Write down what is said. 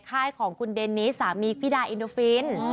ค่ายของคุณเดนิสสามีพี่ดาอินโดฟิน